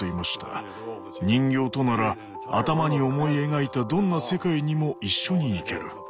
「人形となら頭に思い描いたどんな世界にも一緒に行ける」。